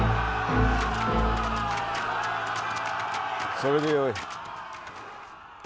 それでよい。